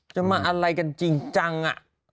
จะมาอะไรกันจริงจัง